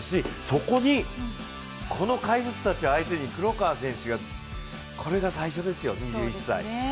そこに、この怪物たち相手に黒川選手がこれが最初ですよ、２１歳。